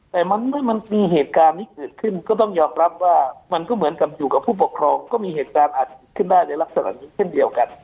แต่เมื่อมันมีเหตุการณ์ที่เกิดขึ้นก็ต้องยอมรับว่ามันก็เหมือนกับอยู่กับผู้ปกครองก็มีเหตุการณ์อาจเกิดขึ้นได้ในลักษณะนี้เช่นเดียวกัน